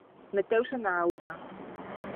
Meteuse na auga.